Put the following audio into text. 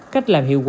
cách làm hiệu quả